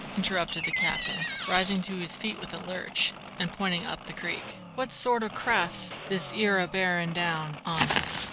interrupted the captain, rising to his feet with a lurch, and pointing up the creek, "what sort o' craft's this 'ere a bearin' down on us?